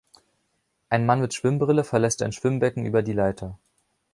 Ein Mann mit Schwimmbrille verlässt ein Schwimmbecken über die Leiter.